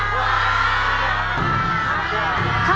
มากกว่า